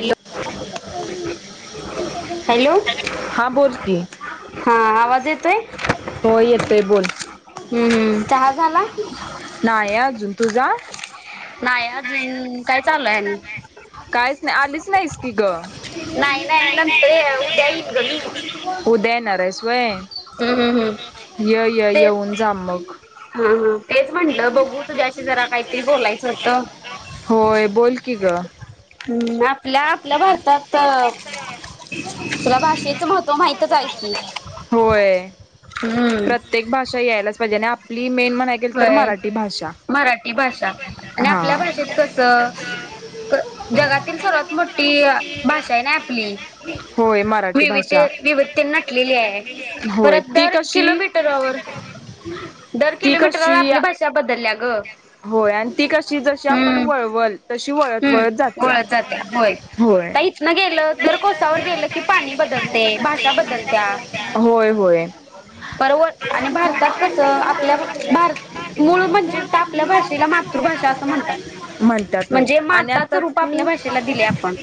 Hollow. हा बोल की. हा आवाज येतोय. हो येतोय बोल हम्मम् चहा झाला. नाही अजून तुझा. नाही अजून काय. चालू आहे आणि काहीच नाही आलीच नाहीस. की ग नाही नाही नंतर उद्या येईन ग मी उदय नरेश् वय हम्म हम्म हम्म य य तेच येऊन जा मग. हा हा तेच म्हटलं बघू तुझ्याशी जरा काहीतरी बोलायचं होत. होय बोल की ग. हम्म आपल्या आपल्या भारतात तुला भाषेचं महत्त्व माहितच आहे की होय हम्. प्रत्येक भाषा यायलाच पाहिजे आणि आपली. मेन म्हणाय गेल तर व्हय मराठी भाषा मराठी भाषा आणि हा आपल्या भाषेत कस. जगातील सर्वात मोठी भाषा आहे ना आपली. होय मराठी विवि भाषा विविते नटलेली आहे होय परत ती दर कशी किलोमीटरवर दर ती किलोमीटर कशी आपली भाषा बदलल्या. ग. होय ती कशी जशी आपण हम्म वळवल तशी वळत हम्म वळत जात्या वळत होय. होय. आता इथनं गेलं दर कोसावर गेलं की पाणी बदलते भाषा बदलत्या. होय होय. बरोबर आणि भारतात कस आपल्या भारत मूळ म्हजे. म्हणतात. म्हणतात. म्हणजे आणि आता माताचं रूप तू आपल्या भाषेला दिले आपण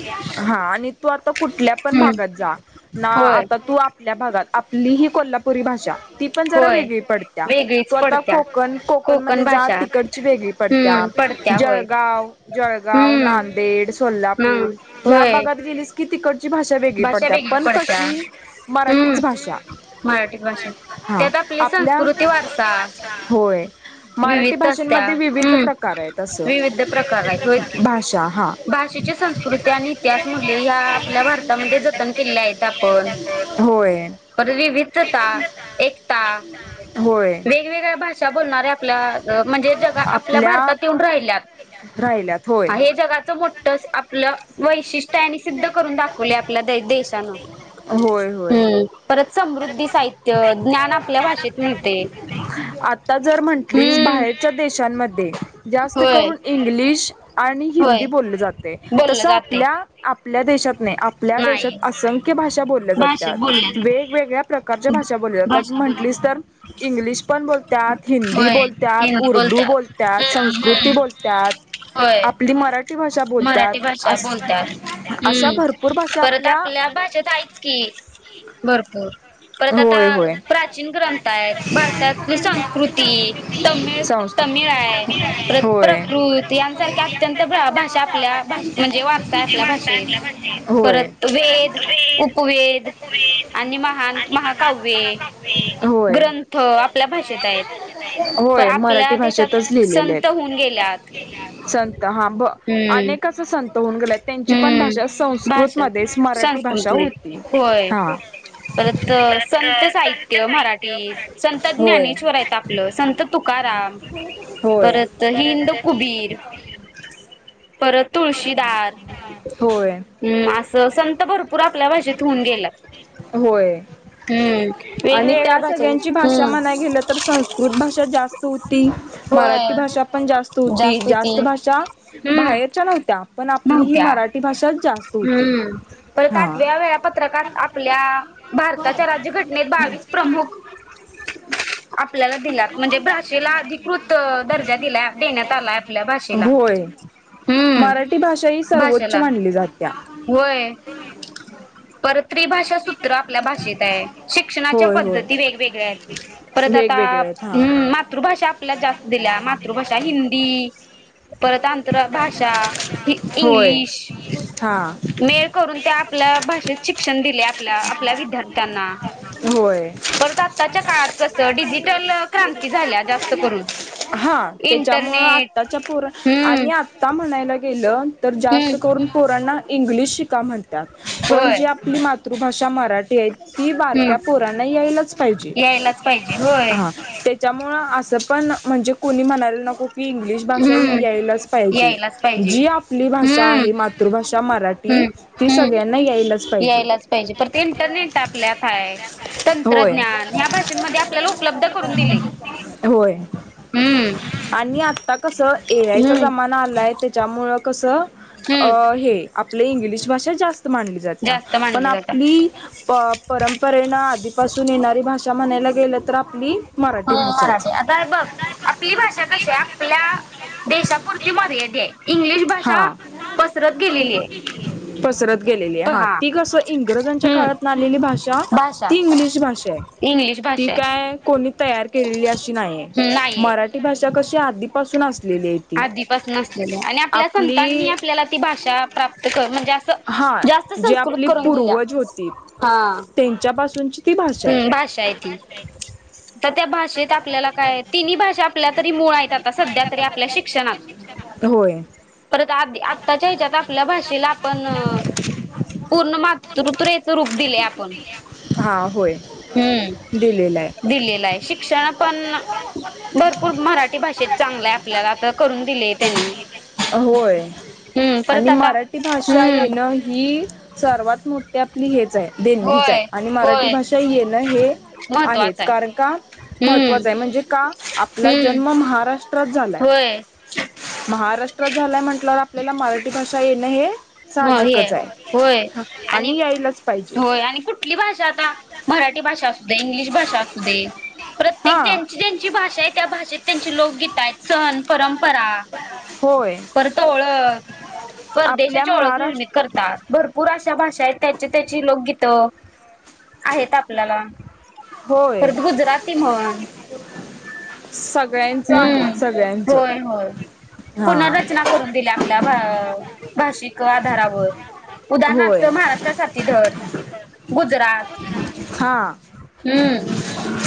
हा आणि तू आता कुठल्या पण हम्म भागात जा. ना होय आता तू आपल्या भागात आपली ही कोल्हापुरी भाषा ती पण जरा होय. वेगळी पडत्या वेगळीच तो आता पडत्या कोकण कोकण मधे जा तिकडची वेगळी पडत्या हम्म पडत्या होय. जळगाव जळगाव हम्म नांदेड. हम्म सोलापूर ह्या होय भागात गेलिस किती भाषा वेगळी भाषा पडत्या वेगळी पण पडत्या कशी हम्म मराठीच भाषा. मराठी भाषा हा त्यात आपली आपल्या संस्कृती वारसा होय. मराठी विविध असत्या भाषेमध्ये विविध हम्म प्रकार आहेत असं, विविध प्रकार आहेत होय की भाषा हा. भाषेची संस्कृती इतिहास मुले ह आपल्या भारतात जतन किलेल्या आहेत आपण. होय विविधता एकता होय वेगवेगळ्या भाषा बो आपल्या म्हणजे जग आपल्या भारतात येऊन राहिल्यात. राहिल्यात होय हा हे जगाच मोठ आपलं वैशिष्ट्य सिद्ध करून दाखव आपल्या आपल्या देशानं. होय होय हम्म, परत समृद्धी साहित्य ज्ञान आपल्या भाषेत मिळते. आता जर म्हंटलीस हम्म बाहेरच्या देशांमध्ये जास्त होय करून इंग्लिश आणि हिंदी होय बोले जाते बोललं तस जाते आपल्या आपल्या देशात नाही आपल्या नाही देशात असंख्य भाषा बोलल्या भाषेत बोलल्या जातात जाते. वेगवेगळ्या प्रकारच्या भाषा बोलेल्या जातात भाषा बोलली म्हंटलीस तर जाते इंग्लिश पण बोलतात हिंदी होय बोलत्यात, हिंदी उर्दू बोलतात. बोलत्यात, हम्म संस्कृती हम्म बोलत्यात, होय आपली मराठी भाषा बोलत्यात मराठी भाषा बोलतात. अशा भरपूर भाषा आपल्या भाशेत आहेच की भरपूर. परत आता होय होय प्राचीन ग्रंथ आहेत, भारतातली संस्कृती, तमिळ संस्कृत तमिळ आहे प्र आहे प्रकृत यांसारख्या अत्यंत भाषा आपल्या भाष म्हणजे वारसा आपल्या भाषेत होय परत वेद, उप वेद आणि महान महाकाव्य, होय ग्रंथ आपल्या भाषेत आहेत. पण होय मराठी आपल्या भाषेतच देशात लिहिलेले संत होऊन गेल्यात आहेत. संत हा ब हम्म अनेक असं संत होऊन गेलेत त्यांची पण भाषा हम्म भाषा संस्कृतमध्ये स्मर मराठी भाषा संस्कृतली होती होय हा. परत संत साहित्य मराठीत, संत होय ज्ञानेश्वर आहेत. आपलं संत तुकाराम, होय परत हिंदड कुबीर, परत तुळशीदार, होय हम्म, असं संत भरपूर आपल्या भाषेत होऊन गेल्यात. होय आणि त्या सगळ्यांची भाषा हम्म म्हणाय गेलं तर संस्कृत भाषा जास्त होती. मराठी होय भाषा पण जास्त होती जास्तीती जास्त भाषा हम्म बाहेर च्या नव्हत्या पण आपली ही नव्हत्या मराठी भाषाच जास्त होती. हम्म परत आठव्या वेळापत्रकात आपल्या भारताच्या राज्यघटनेत बावीस प्रमुख आपल्याला दिल्यात म्हणजे भाषेला अधिकृत दर्जा दिला देण्यात आलाय आपल्या भाषेला. [unintelligible] हम्म मराठी भाषा ही सर्वोच्च भाषेला मानली जात्या. त्री भाषा सु आपल्या भाषेत हाय शिक्षणाच्या होय होय पद्धती वेगवेगळ्या परत आता, वेगवेगळे आहेत हा हम्म मातृ भाषा आपल्याला जास्त दिल्या मातृभाषा हिंदी, परतांंत्र भाषा होय इंग्लिश हा मेळ करून त्या आपल्या भाषेत शिक्षण दिले आपल्या आपल्या विद्यार्थ्यांना. होय‌. परत आत्ताच्या काळात कसं डिजिटल क्रांती झाल्या जास्त करून हा त्याच्यामुळ इंटरनेट आत्ताच्या पोर हम्म आणि आता म्हणायला गेलं तर जास्त हम्म करूनर इंग्लिश शिका म्हणतात पण होय जी आपली मातृभाषा मराठी ते ती हम्म बारक्या पोरना यायलाच पाहिजे, यायलाच पाहिजे होय हा. त्यामुळं असं पण म्हणजे कोणी म्हणायला नको की इंग्लिश भाषा ही हम्म यायलाच पाहिजे यायलाच पाहिजे जी आपली भाषा हम्म आहे मातृभाषा मराठी हम्म ती सगळ्यांना यायलाच पाहिजे. तर ते इंटरनेट आपल्यात हाय होय तंत्रज्ञान ह्या भाषेमध्ये आपल्याला उपलब्ध करून दिले. होय हम्म आणि कस ए आयचा हम्म जमाना आलाय त्याच्यामुळ कस अ हम्म हे [unintelligible] इंग्लिश भाषा जास्त मानली जात्या, जास्त पण मानले जातात आपली प परंपरेन आधीपासून येणारी भाषा म्हणायला गेलं तर आपली हो मराठी भाषाच मराठी आता हे बघ [unintelligible] आपली भाषा कशी आहे? आपल्या देशापुरती मर्यादी आय, इंग्लिश भाषा हा पसरत गेलेली आय. पसरत गेलेली, हा ती कसं इंग्रजांच्या काळातन आलेली भाषा, भाषा ती इंग्लिश भाषाय इंग्लिश ती भाषा आहे काय कोणी तयार केलेली अशी नाई आय, नाहीये मराठी भाषा कशी आधीपासून अस आधीपासून असलेले आणि आपल्या संतांनी आपली आपल्याला ती भाषा प्राप्त कर म्हणजे असं हा जास्त संस्कृत करून दिल्या, हा [unintelligible] त्येंच्यापासून हम् भाषाय ती त त्या भाषेत आपल्याला काय, तिन्ही भाषा आपल्या तरी मुळ आहेत आता सध्या तरी आप पल्या शिक्षणात होय परत आदि आत्ताच्या ह्येच्यात आपल्या भाषेला आपण पूर्ण मातृतुरेच रूप दिले आपण दिले [unintelligible] दिलेलं आय, शिक्षण पण भरपूर मराठी भाषेत चांगलं आय आ पल्याला आता करून दिले त्यांनी होय हम्म परत आणि आता मराठी भाषा हम्म. येणं ही सर्वात मोठी आपली हेच आहे. देणगीच आय होय आणि मराठी होय भाषा येणं हे आहेत महत्त्वाचं आहे. कारण का हम्म महत्त्वाचं आय म्हणजे का आपला हम्म जन्म महाराष् त्रात झालाय, होय महाराष्ट्रात झालाय म्हंटल्यावर आपल्याला मराठी भाषा येणं हे म हे साहजिकच आय होय आणि यायलाच पाहिजे. होय आणि कुठली भाषा आता, मराठी भाषा असू दे, इंग्लिश भाषा असू दे हा प्रत्येक ज्यांची ज्यांची भाषा आहे त्या भाषेत त्यांची लोकगीत आहेत, सण, परंपरा होय परत ओळख परदेशा आपल्या ची ओळख निर्मित महाराष्ट्र करतात, भरपूर अशा भाषा आहेत त्याची त्याची लोकगीतं आहेत आपल्याला, होय परत गुजराती म्हण सगळ्यांचं आहे हम्म, सगळ्यांचं होय होय हा पुनर्रचना करून दिल्या आप [unintelligible] भ भाषिक आधारावर उदाहरणार्थ होय महाराष्ट्रासाती धर गुजरात हा हम्म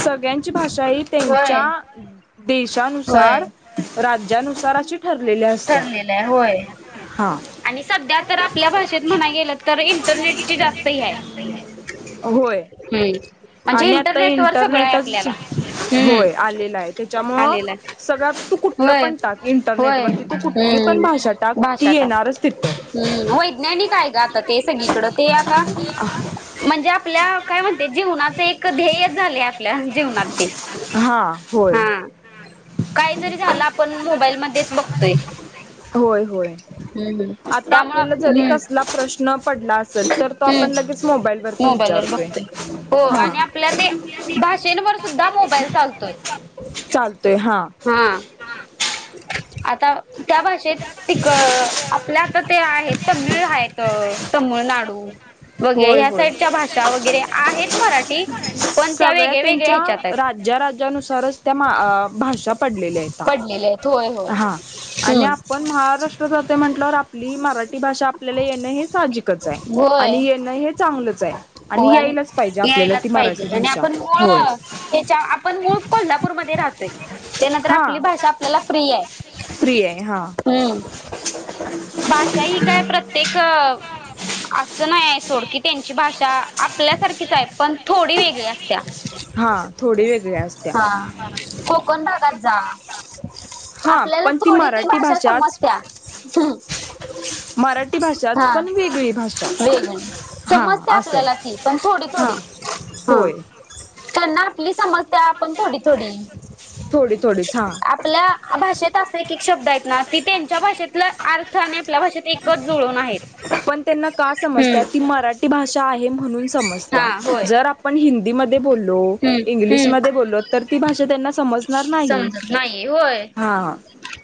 सगळ्यांची भाषा ही होय त्यांच्या देश होय शानुसार, राज्यानुसार अशी ठर ठरलेलं आय होय हा आणि सध्या तर आपल्या भाषेत म्हणाय गेलं तर इन [unintelligible] अ होय. हम्म म्हणजे आणि आता इंटरनेट वर सगळं आहे इंटरनेटच आपल्याला. होय हम्म आलेला आहे, त्याच्यामुळ आलेला सगळ आता तू कुठलं होय पण टाक होय इंटरनेटवरती तू कुठली पण हम्म. भाषा टाक, ती भाषा टाक येणारच ति हम्म वैज्ञानिक आहे ग आता ते सगळीकडं, ते आता म्हणजे आपल्या काय म्हणते जीवनाचे एक ध्येय झाले, आपल्या जीवनात हा [unintelligible] होय हा, काय जरी झालं आपण मोबाईल म तेच बघतोय. होय होय. हम्म हम्म आता त्यामुळे आपल्याला जरी हम्म कसला प्रश्न पडला असल, तर तो हम्म आपण लगेच मोबाईलवरती वि [unintelligible] बघतोय, हो आणि आपल्या ते भाषेंवर सुद्धा मोबाईल चालतोय. चालतोय हा, हा हा आता त्या भाषेत तिक आपल्या आता ते आहेत. तमिळ हायत तमळनाडू वगैर होय ह्या होय साईडच्या भाषा वगैरे, आहेत मराठी पण त्या सगळ्या वेगळ्या वेगळ्या त्यांच्या ह्याच्यात आहेत राज्या राज्यानुसारच त्या मा भाषा पडलेल्या आयता [unintelligible] होय होय. आणि हम्म आपण महाराष्ट्र राहतो म्हटल्यावर आपली मराठी भाषा आपल्याला येणं हे साजिकच हाय. होय. हो आणि यायलाच पाहिजे आपल्याला ती यायलाच मराठी पाहिजे आणि भाषा आपण मुळ होय हेच्या आपण मूळ कोल्हापूरमध्ये राहतोय. त्यानंतर हा आपली भाषा आपल्याला प्रिय हाय. फ्री आहे हा हम्म. भाषा ही काय प्रत्येक असं नाही आहे सोड की त्यांची भाषा आपल्यासारखीच आहे पण थोडी वेगळी अस त्या. हा थोडी वेगळ्या असत्या हा. कोकण भागात जा. हा आपल्याला पण थोडी ती मराठी भाषा भाषाच समजत्या. मराठी भाषाच हा पण वेगळी भाषा वेगंळी हा समजते असं आपल्याला आहे ती पण थोडी हा थोडी. हा होय. त्यांना आपली समजत्या पण थोडी थोडी. थोडी थोडीच हा आपल्या भाषेत असं एक एक शब्द आहेत ना ते त्यांच्या भाषेतला अ पण त्यांना का समजत्या? ती हम्म मराठी भाषा आहे. म्हणून समजत्या हा होय जर आपण हिंदी मध्ये बोललो हम्म इंग्लिश हम्म मध्ये बोललो तर ती भाषा त्यांना समजणार नाही. समजत नाही होय हा.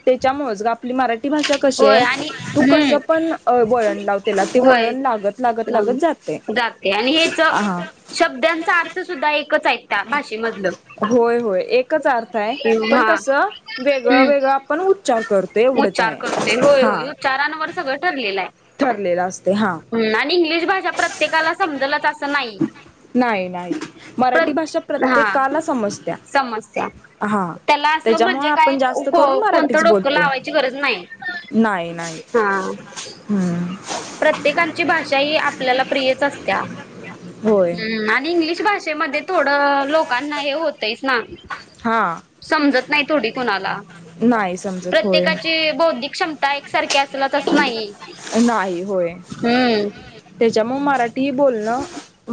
त्याच्यामुळंच गं आपली मराठी ठी भाषा कशी होय आणि तू कस हम्म पण वळण लाव तेला ते होय वळण लागत लागत लागत जाते जाते आणि हेच ह. शब्दांचा अर्थ सुद्धा एकच आहे त्या भाषेमध होय होय एकच अर्थ हाय. पण हा कस वेगळं हम्म वेगळं आपण उच्चार करतो. एवढच उच्चार हाय. करते होय होय उच्यरांवर सगळं ठरलेलं हाय. ठरलेला असत. हम् आणि इंग्लिश भाषा प्रत्येकाला समजलच असं नाही. नाही नाही प्र मराठी भाषा हा प्रत्येकाला समजत्या. समस्या हा त्याला असं म्हणजे त्याच्यामुळे काय आपण जास्त को करून कोणतं मराठीच डोकं बोलतोय. लावायची गरज नाही. नाही नाही. हा. हम्म प्रत्येकांची भाषा ही आपल्याला प्रियच असत्या. होय हम्म आणि इंग्लिश भाषेमध्ये थोडं लोकांना हे होतयचना. हा समजत नाही थोडी कोणाला नाही समजत होय प्रत्येकाची बौद्धिक क्षम नाही होय. हम्म. त्याच्या मुळ मराठी बोलणं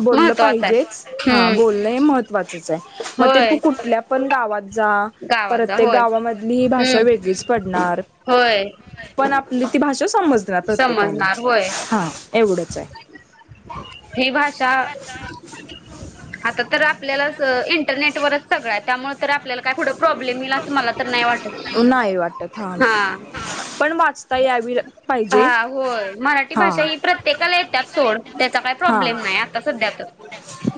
बोललं महत्त्वाच आहे. पाहिजेच. हा हम्म. बोलण हे महत्त्वाचच हाय. मग ते तू होय. कुठल्या पण गावात जा. गावात जा प्रत्येक होय. गावामधली ही भाषा हम्म. वेगळीच पडणार. होय. पण आपली ती भाषा समजणार प्रत्येकाला समजणार होय. हा एवढंच हाय. ही भाषा आता तर आपल्याला इंटरनेट वरच सगळं त्यामुळे आपल्याला काय पुढं प्रॉब्लेम येईल अस मला तर नाही वाटत. नाही वाटत हा. पण वाचता यावी. पाहिजे हा होय. मराठी हा भाषा ही प्रत्येकाला येत्याच सोड त्याचा काही हा प्रॉब्लेम नाही आता सध्यात तर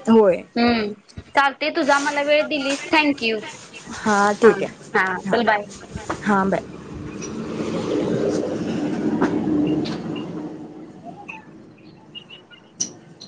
होय. चालतयं. तुझा मला वेळ दिलीस थँंक यू. हां ठीक हाय. हां हां बाय.